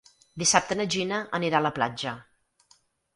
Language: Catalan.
Dissabte na Gina anirà a la platja.